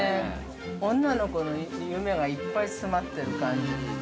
◆女の子の夢がいっぱい詰まってる感じ。